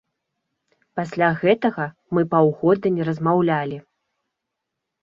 Пасля гэтага мы паўгода не размаўлялі.